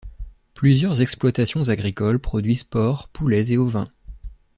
Plusieurs exploitations agricoles produisent porcs, poulets et ovins.